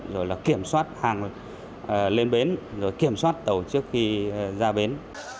rồi là kiểm soát hàng lên bến rồi kiểm soát tàu trước khi ra bến